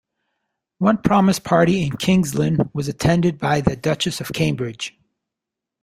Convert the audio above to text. One Promise Party in Kings Lynn was attended by the Duchess of Cambridge.